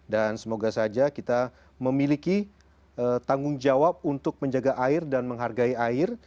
dan semoga saja kita memiliki tanggung jawab untuk menjaga air dan menghargai air